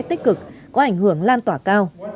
tích cực có ảnh hưởng lan tỏa cao